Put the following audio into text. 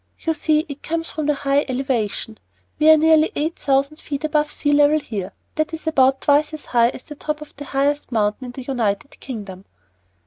You see it comes from the high elevation. We are nearly eight thousand feet above the sea level here; that is about twice as high as the top of the highest mountain in the United Kingdom."